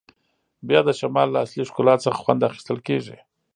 بیا د شمال له اصلي ښکلا څخه خوند اخیستل کیږي